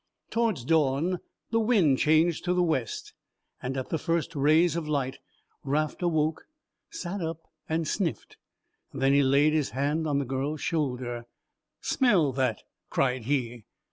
Towards dawn the wind changed to the west and at the first rays of light Raft awoke, sat up and sniffed. Then he laid his hand on the girl's shoulder. "Smell that!" cried he.